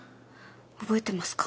覚えてますか？